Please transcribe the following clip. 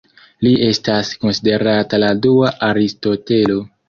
Li estas konsiderata la dua Aristotelo.